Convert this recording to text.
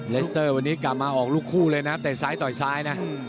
เลสเตอร์วันนี้กลับมาออกลูกคู่เลยนะเตะซ้ายต่อยซ้ายนะ